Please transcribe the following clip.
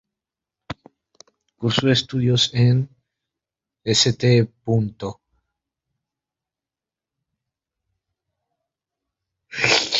Cursó estudios en el St.